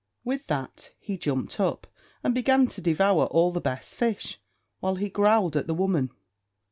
With that he jumped up, and began to devour all the best fish, while he growled at the woman.